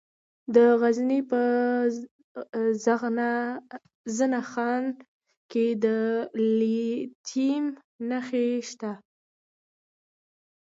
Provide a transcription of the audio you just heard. د غزني په زنه خان کې د لیتیم نښې شته.